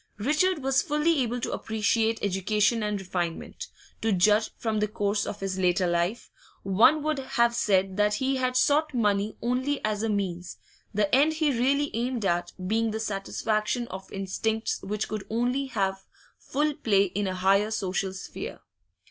Richard was fully able to appreciate education and refinement; to judge from the course of his later life, one would have said that he had sought money only as a means, the end he really aimed at being the satisfaction of instincts which could only have full play in a higher social sphere.